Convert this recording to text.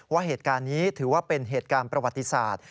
ว่าเหตุการณ์นี้ถือว่าเป็นเหตุการณ์ประวัติศาสตร์